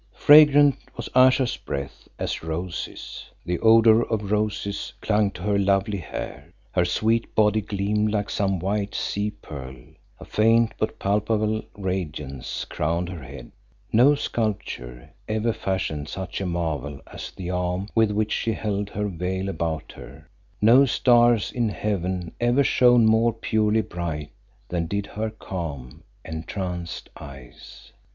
Fragrant was Ayesha's breath as roses, the odour of roses clung to her lovely hair; her sweet body gleamed like some white sea pearl; a faint but palpable radiance crowned her head; no sculptor ever fashioned such a marvel as the arm with which she held her veil about her; no stars in heaven ever shone more purely bright than did her calm, entranced eyes.